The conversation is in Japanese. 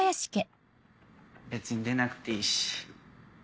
別に出なくていいし。